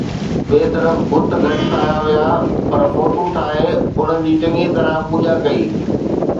ٻئي طرف بت گهٽ ٺاهيا ويا، پر فوٽو ٺاهي انهن جي چڱيءَ طرح پوڄا ڪئي